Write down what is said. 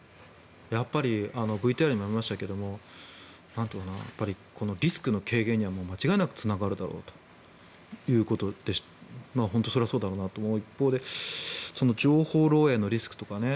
やっぱりＶＴＲにもありましたがこのリスクの軽減には間違いなくつながるだろうということで本当それはそうだろうなと思う一方で情報漏えいのリスクとかね。